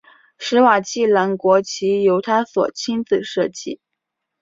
史瓦济兰国旗由他所亲自设计。